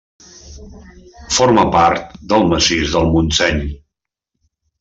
Forma part del Massís del Montseny.